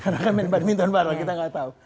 karena main badminton bareng kita gak tau